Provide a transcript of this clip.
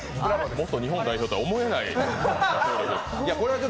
元日本代表とは思えない。